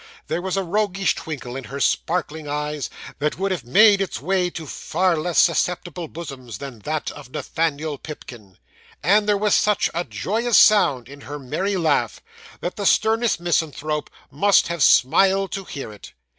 There was a roguish twinkle in her sparkling eyes, that would have made its way to far less susceptible bosoms than that of Nathaniel Pipkin; and there was such a joyous sound in her merry laugh, that the sternest misanthrope must have smiled to hear it.